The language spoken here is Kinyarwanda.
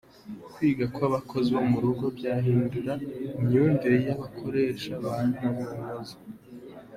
Kwiga kw’abakozi bo mu rugo byahindura imyumvire y’abakoresha ba ntamunoza.